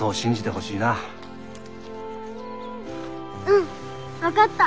うん分かった。